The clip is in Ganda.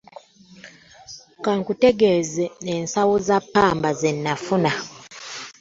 Ka nkutegeeze ensawo za ppamba ze nafuna.